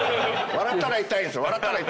笑ったら痛いんすよ。